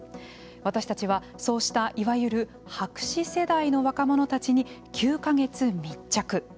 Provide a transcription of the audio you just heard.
私たちはそうした、いわゆる白紙世代の若者たちに９か月密着。